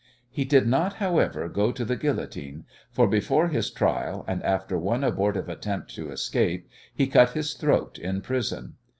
He did not, however, go to the guillotine, for before his trial, and after one abortive attempt to escape, he cut his throat in prison.